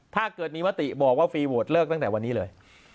ถ้าเกิดมีมติบอกว่าฟรีโหวตเลิกตั้งแต่วันนี้เลย